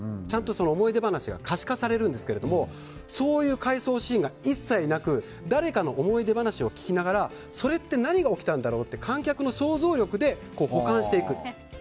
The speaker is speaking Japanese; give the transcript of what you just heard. ちゃんと思い出話が可視化されるんですがそういう回想シーンが一切なく誰かの思い出話を聞きながらそれって何が起きたんだろうって観客の想像力で補完していく。